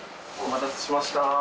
お待たせしました。